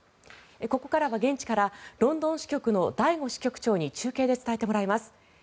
ここからは現地からロンドン支局の醍醐支局長に中継で伝えてもらいます。